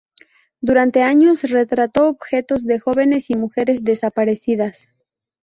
Durante años retrató objetos de jóvenes y mujeres desaparecidas.